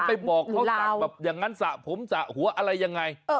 ไปบอกเขาสั่งแบบอย่างนั้นสระผมสระหัวอะไรยังไง